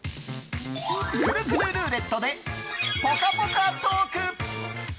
くるくるルーレットでぽかぽかトーク！